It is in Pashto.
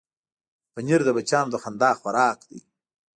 پنېر د بچیانو د خندا خوراک دی.